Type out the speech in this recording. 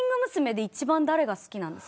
で一番誰が好きなんですか？